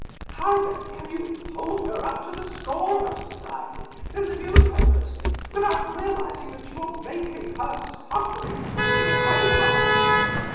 How then, can you hold her up to the scorn of society in the newspapers without realizing that you are making her suffering, still greater?